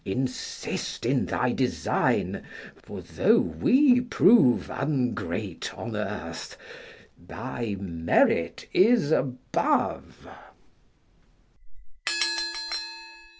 Insist in thy design; for, though we prove Ungrate on earth, thy merit is above.